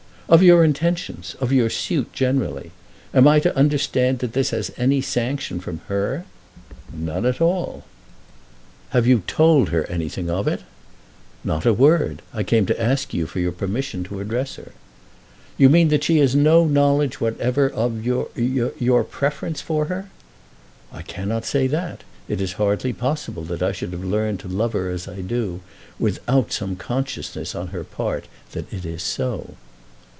"Of your intentions; of your suit generally? Am I to understand that this has any sanction from her?" "None at all." "Have you told her anything of it?" "Not a word. I come to ask you for your permission to address her." "You mean that she has no knowledge whatever of your your preference for her." "I cannot say that. It is hardly possible that I should have learned to love her as I do without some consciousness on her part that it is so."